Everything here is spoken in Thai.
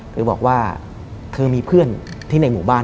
โดยบอกว่าเธอมีเพื่อนที่ในหมู่บ้าน